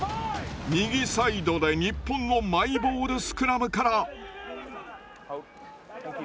右サイドで日本のマイボールスクラムから。